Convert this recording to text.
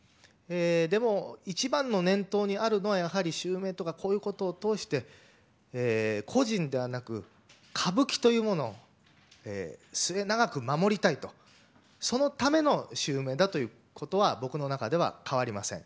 でも、一番の念頭にあるのはやはり襲名とかこういうことを通して個人ではなく歌舞伎というものを末永く守りたいとそのための襲名だということは僕の中では変わりません。